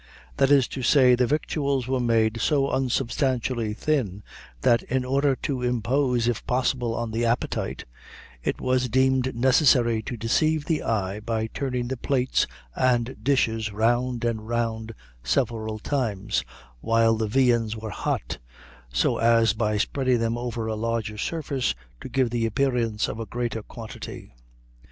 That is to say, the victuals were made so unsubstantially thin, that in order to impose, if possible, on the appetite, it was deemed necessary to deceive the eye by turning the plates and dishes round and round several times, while the viands were hot, so as by spreading them over a larger surface, to give the appearance of a greater quantity.